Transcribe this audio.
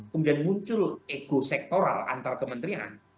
kemudian muncul ego sektoral antar kementerian